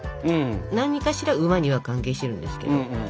何かしら馬には関係してるんですけど。